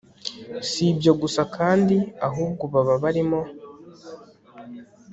Si ibyo gusa kandi ahubwo baba barimo